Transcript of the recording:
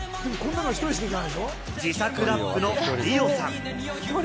自作ラップのリオさん。